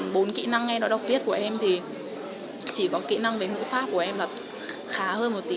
bốn kỹ năng nghe nó đọc viết của em thì chỉ có kỹ năng với ngữ pháp của em là khá hơn một tí